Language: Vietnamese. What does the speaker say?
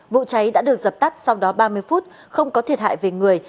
vụ cháy đã được dập tắt sau đó ba mươi phút không có thiệt hại về người